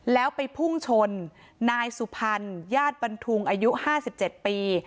แล้วไปพุ่งชนนายสุพรรณญาติบันทุงอายุ๕๗ปี